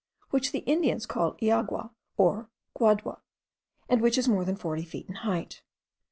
which the Indians call iagua, or guadua, and which is more than forty feet in height.